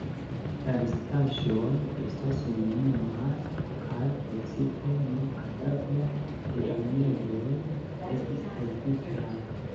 La restaĵoj estas minimumaj kaj precipe nur kadavro-deponejoj estis trovitaj.